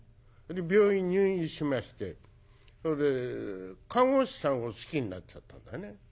病院に入院しましてそれで看護師さんを好きになっちゃったんだね。